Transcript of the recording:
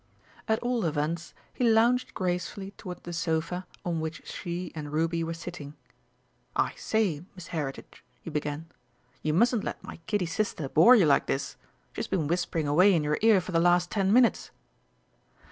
At all events, he lounged gracefully toward the sofa, on which she and Ruby were sitting: "I say, Miss Heritage," he began, "you mustn't let my Kiddie sister bore you like this. She's been whispering away in your ear for the last ten minutes."